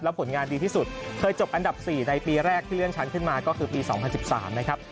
ผลงานดีที่สุดเคยจบอันดับ๔ในปีแรกที่เลื่อนชั้นขึ้นมาก็คือปี๒๐๑๓นะครับ